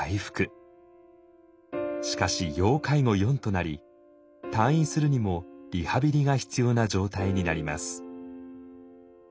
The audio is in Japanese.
しかし「要介護４」となり退院するにもリハビリが必要な状態になります。